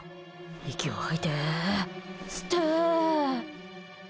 息を吐いて吸って。